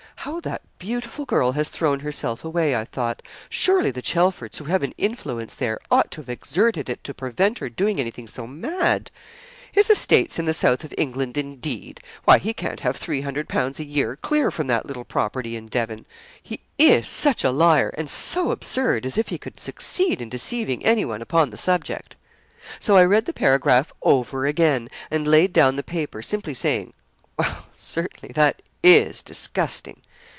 'How that beautiful girl has thrown herself away!' I thought. 'Surely the Chelfords, who have an influence there, ought to have exerted it to prevent her doing anything so mad. His estates in the south of England, indeed! Why, he can't have £300 a year clear from that little property in Devon. He is such a liar; and so absurd, as if he could succeed in deceiving anyone upon the subject.' So I read the paragraph over again, and laid down the paper, simply saying, 'Well, certainly, that is disgusting!'